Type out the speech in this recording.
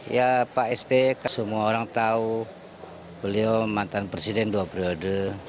ya pak sp semua orang tahu beliau mantan presiden dua periode